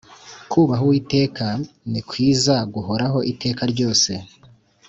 Kubaha Uwiteka ni kwiza guhoraho iteka ryose